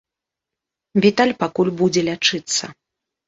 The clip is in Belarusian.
Віталь пакуль будзе лячыцца.